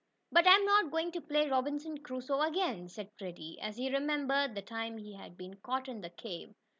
"But I'm not going to play Robinson Crusoe again," said Freddie, as he remembered the time he had been caught in the cave.